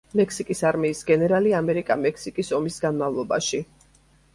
მექსიკის არმიის გენერალი ამერიკა-მექსიკის ომის განმავლობაში.